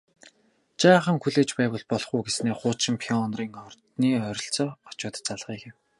Жаахан хүлээж байвал болох уу гэснээ хуучин Пионерын ордны ойролцоо очоод залгая гэв